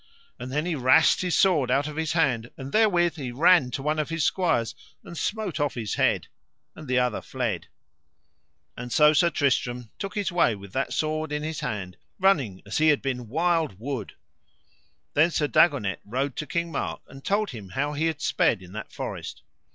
And then he wrast his sword out of his hand, and therewith he ran to one of his squires and smote off his head, and the other fled. And so Sir Tristram took his way with that sword in his hand, running as he had been wild wood. Then Sir Dagonet rode to King Mark and told him how he had sped in that forest.